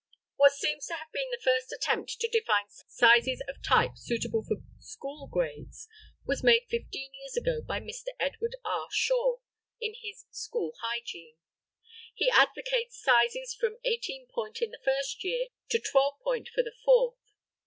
What seems to have been the first attempt to define sizes of type suitable for school grades was made fifteen years ago by Mr Edward R. Shaw in his "School Hygiene"; he advocates sizes from eighteen point in the first year to twelve point for the fourth.